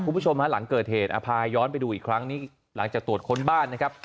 คุณผู้ชมฮะหลังเกิดเหตุพาย้อนไปดูอีกครั้งนี้หลังจากตรวจค้นบ้านนะครับ